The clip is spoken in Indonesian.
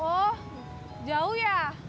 oh jauh ya